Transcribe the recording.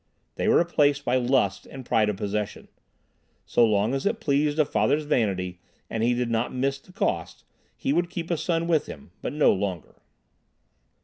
They were replaced by lust and pride of possession. So long as it pleased a father's vanity, and he did not miss the cost, he would keep a son with him, but no longer.